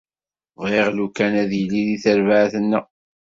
Bɣiɣ lukan ad yili deg terbaɛt-nneɣ.